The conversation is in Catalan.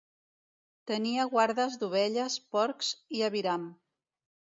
Tenia guardes d'ovelles, porcs i aviram.